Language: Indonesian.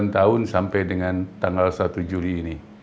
enam puluh sembilan tahun sampai dengan tanggal satu juli ini